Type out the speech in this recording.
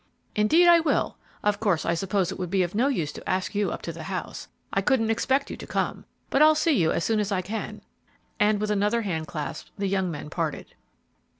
"Indeed I will. Of course, I suppose it would be of no use to ask you up to the house; I couldn't expect you to come, but I'll see you as soon as I can," and with another handclasp the young men parted.